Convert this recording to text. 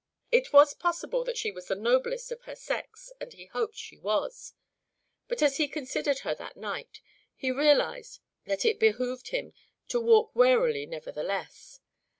It was possible that she was the noblest of her sex, and he hoped she was, but as he considered her that night, he realised that it behooved him to walk warily nevertheless.